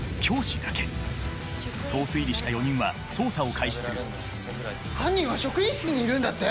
そう推理した４人は捜査を開始する犯人は職員室にいるんだって！？